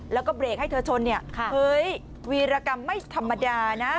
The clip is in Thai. แล้วก็เบรกให้เธอชนเนี่ยเฮ้ยวีรกรรมไม่ธรรมดานะ